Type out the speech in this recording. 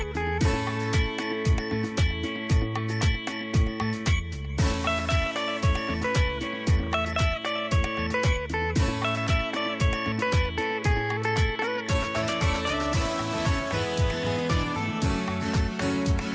โปรดติดตามตอนต่อไป